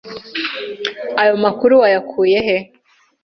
Aya makuru wayakuye he?